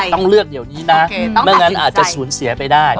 ต้องเลือกเดี๋ยวนี้นะไม่งั้นอาจจะสูญเสียไปได้